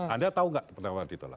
anda tahu nggak terdakwa ditolak